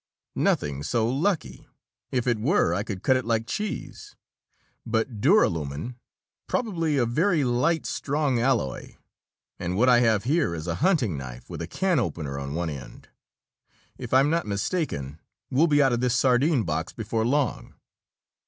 "Nothing so lucky! If it were, I could cut it like cheese. But duralumin, probably, a very light, strong alloy; and what I have here is a hunting knife with a can opener on one end! If I'm not mistaken, we'll be out of this sardine box before long."